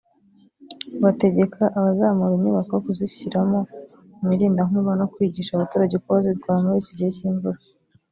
bategeka abazamura inyubako kuzishyiramo imirindankuba no kwigisha abaturage uko bazitwara muri iki gihe cy’imvura